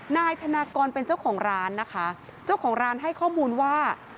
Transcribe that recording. นายธนากรเป็นเจ้าของร้านนะคะเจ้าของร้านให้ข้อมูลว่า